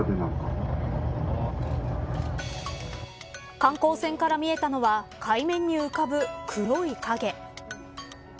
観光船から見えたのは海面に浮かぶ黒い影。